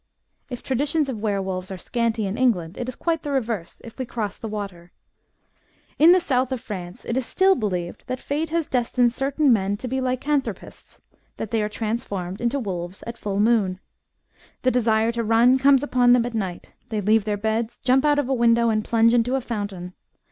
'' If traditions of were wolves are scanty in England, it is quite the reverse if we cross the water. In the south of France, it is still believed that fate has destined certain men to be lycanthropists — that they are transformed into wolves at full moon. The desire to run comes upon them at night. They leave their beds, jump out of a window, and plunge into a fountain.